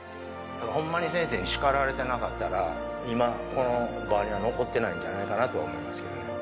ほんまに先生に叱られてなかったら、今、この場には残ってないんじゃないかなとは思いますけどね。